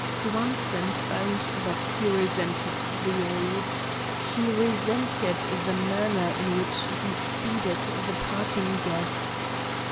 Swanson found that he resented the aide. He resented the manner in which he speeded the parting guests.